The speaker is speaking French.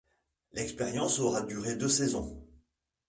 L'expérience aura duré deux saisons.